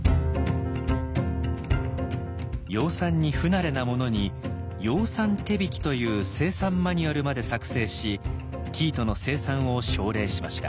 養蚕に不慣れな者に「養蚕手引」という生産マニュアルまで作成し生糸の生産を奨励しました。